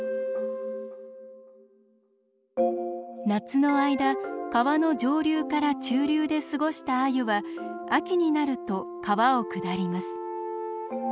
夏の間川の上流から中流で過ごしたアユは秋になると川を下ります。